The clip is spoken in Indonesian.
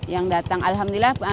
yang datang alhamdulillah